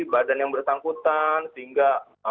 badan yang bersangkutan sehingga